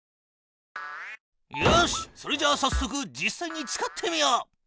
よしっそれじゃあさっそく実さいに使ってみよう。